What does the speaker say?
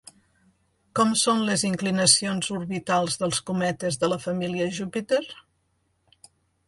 Com són les inclinacions orbitals dels cometes de la família Júpiter?